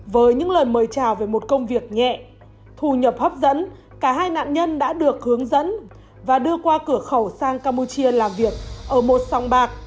với những lời mời chào về một công việc nhẹ thù nhập hấp dẫn cả hai nạn nhân đã được hướng dẫn và đưa qua cửa khẩu sang campuchia làm việc ở một song bạc